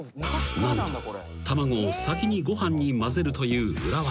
［何と卵を先にご飯にまぜるという裏技］